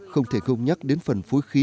không thể không nhắc đến phần phối khí